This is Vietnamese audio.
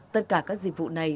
tất cả các dịch vụ này